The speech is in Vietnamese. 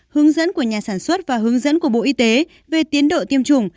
hướng dẫn của nhà sản xuất và hướng dẫn của bộ y tế về tiến độ tiêm chủng